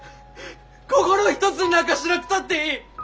心を一つになんかしなくたっていい。